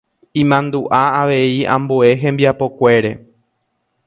imandu'a avei ambue hembiapokuére.